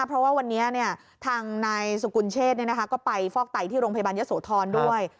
เพราะว่าวันนี้ทางนายสุกุลเชษก็ไปฟอกไตที่โรงพยาบาลยะโสธรด้วย